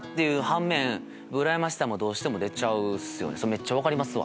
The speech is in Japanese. めっちゃ分かりますわ。